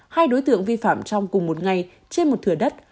hai đối tượng vi phạm trong cùng một ngày trên một thừa đất